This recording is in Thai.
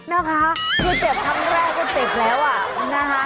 นะคะคือเจ็บครั้งแรกก็เจ็บแล้วอ่ะนะคะ